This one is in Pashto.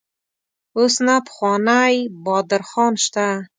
اوس نه پخوانی بادر خان شته.